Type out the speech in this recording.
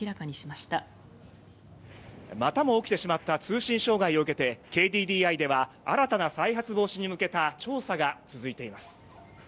またも起きてしまった通信障害を受けてＫＤＤＩでは新たな再発防止に向けた調査が続いています。